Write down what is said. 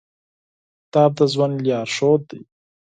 کتاب د ژوند لارښود دی.